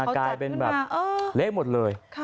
กลายเป็นแบบเละหมดเลย